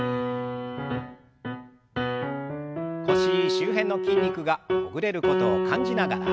腰周辺の筋肉がほぐれることを感じながら。